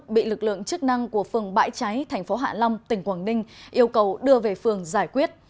bị lực lượng chức năng của phường bãi cháy thành phố hạ long tỉnh quảng ninh yêu cầu đưa về phường giải quyết